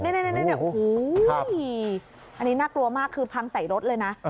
นี่อันนี้น่ากลัวมากคือพังใส่รถเลยนะ